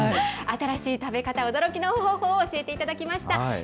新しい食べ方、驚きの方法、教えていただきました。